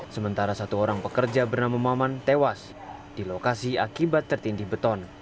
sementara satu orang pekerja bernama maman tewas di lokasi akibat tertindih beton